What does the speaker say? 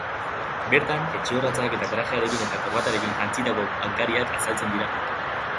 Bertan etxe orratzak eta trajearekin eta korbatarekin jantzitako bankariak azaltzen dira.